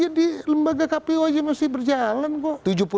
ya di lembaga kpu saja masih berjalan kok